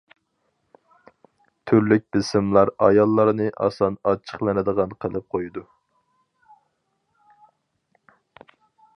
تۈرلۈك بېسىملار ئاياللارنى ئاسان ئاچچىقلىنىدىغان قىلىپ قويىدۇ.